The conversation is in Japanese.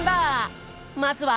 まずは。